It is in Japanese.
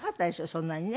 そんなにね。